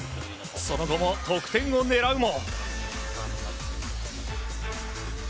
その後も得点を狙うも。